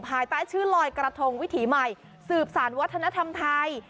ภายใต้ชื่อลอยกระทงวิถีใหม่สืบสารวัฒนธรรมไทย